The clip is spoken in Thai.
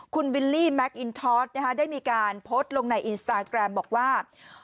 คุณวิลลี่แมคอินทอสได้มีการโพสต์ลงในอินสตาแกรมบอกว่า